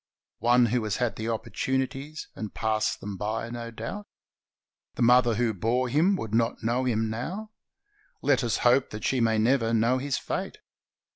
One who has had opportunities and passed them by, no doubt. The mother who bore him would not know him now. Let us hope that she may never know his fate.